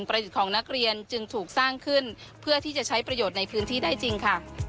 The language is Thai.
โรงเวียนไทยรัฐวิทยา๗๔ชุมชนบ้านคีรีวงศ์